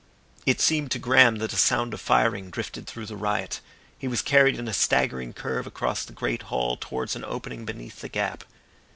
It seemed to Graham that a sound of firing drifted through the riot. He was carried in a staggering curve across the great hall towards an opening beneath the gap.